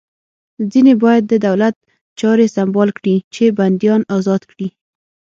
ځینې باید د دولت چارې سمبال کړي چې بندیان ازاد کړي